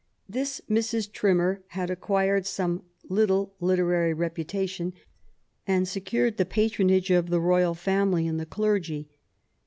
This Mrs. Trimmer had acquired some little literary reputation, and had secured the patronage of the royal family and the clergy.